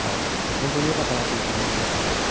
本当によかったなというふうに思います。